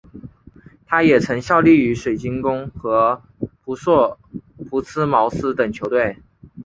他也曾效力于水晶宫和朴茨茅斯等球队。